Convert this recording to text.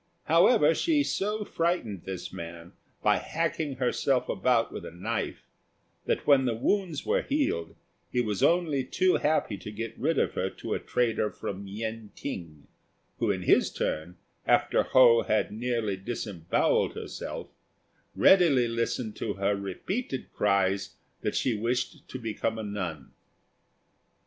However, she so frightened this man by hacking herself about with a knife, that when the wounds were healed he was only too happy to get rid of her to a trader from Yen t'ing, who in his turn, after Ho had nearly disembowelled herself, readily listened to her repeated cries that she wished to become a nun.